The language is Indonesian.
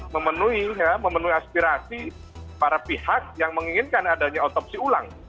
memenuhi aspirasi para pihak yang menginginkan adanya otopsi ulang